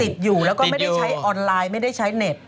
ติดอยู่แล้วก็ไม่ได้ใช้ออนไลน์ไม่ได้ใช้เน็ต